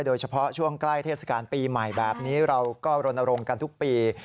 โดยเฉพาะช่วงใกล้เทศกาลปีใหม่แบบนี้เราก็รณรงค์กันทุกปี